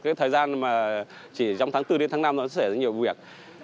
cái thời gian mà chỉ trong tháng bốn đến tháng năm nó xảy ra nhiều việc